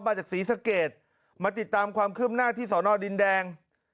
มาจากศรีสะเกดมาติดตามความคืบหน้าที่สอนอดินแดง